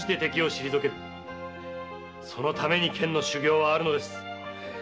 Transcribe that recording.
そのために剣の修行はあるのです。